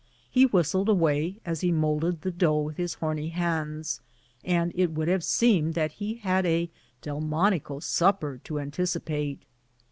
He whistled away as he mould ed the dough with his horny hands, and it would have seemed that he had a Delmonico supper to anticipate.